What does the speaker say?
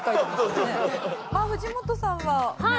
まあ藤本さんは。はい。